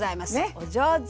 お上手。